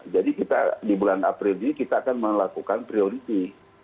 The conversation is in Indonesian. jadi kita di bulan april ini kita akan melakukan prioriti